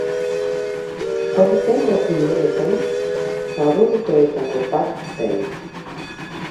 Aurtengo kinieletan, faboritoetako bat zen.